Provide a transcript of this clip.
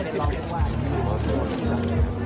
ถ้าถามว่าเมื่อเนี่ย